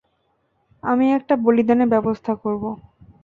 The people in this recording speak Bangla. আমি একটা বলিদানের ব্যবস্থা করবো।